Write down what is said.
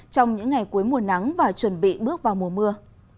trong những ngày cuối mùa nắng và chuẩn bị bước vào mùa mưa